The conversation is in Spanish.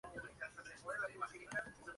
La arteria principal es la Av.